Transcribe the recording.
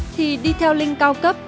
thì đi theo linh cao cấp